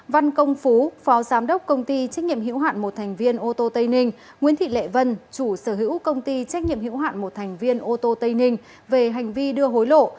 văn công phú phó giám đốc công ty trách nhiệm hữu hạn một thành viên ô tô tây ninh nguyễn thị lệ vân chủ sở hữu công ty trách nhiệm hữu hạn một thành viên ô tô tây ninh về hành vi đưa hối lộ